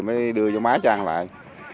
mới đưa cho má trang lại